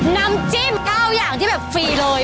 น้ำจิ้ม๙อย่างที่แบบฟรีเลย